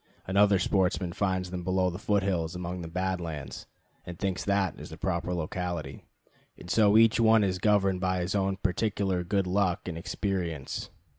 Another sportsman finds them below the foot hills among the Bad Lands, and thinks that is the proper locality; and so each one is governed by his own particular good luck and experience.